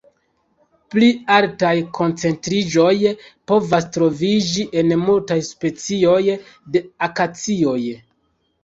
Pli altaj koncentriĝoj povas troviĝi en multaj specioj de akacioj.